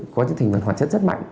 có những thành phần hoạt chất rất mạnh